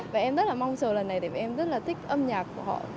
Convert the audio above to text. và em rất là mong chờ lần này vì em rất là thích âm nhạc của họ